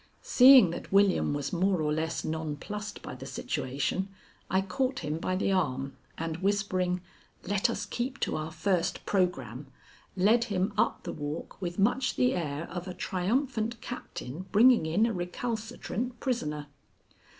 Seeing that William was more or less nonplussed by the situation, I caught him by the arm, and whispering, "Let us keep to our first programme," led him up the walk with much the air of a triumphant captain bringing in a recalcitrant prisoner.